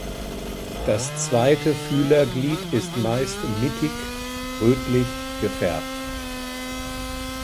Das zweite Fühlerglied ist meist mittig rötlich gefärbt.